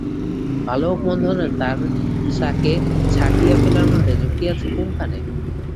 ভালো হোক মন্দ হোক, তার সাকে ছাঁটিয়া ফেলার মধ্যে যুক্তি আছে কোনখানে?